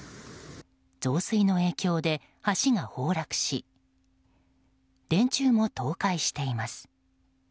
増水の影響で橋が崩落し電柱も倒壊しています。